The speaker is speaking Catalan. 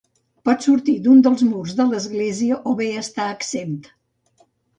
Pot sortir d'un dels murs de l'església o bé estar exempt.